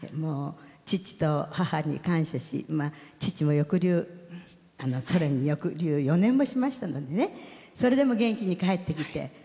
父と母に感謝し父も抑留、４年もしましたのでそれでも元気に帰ってきて。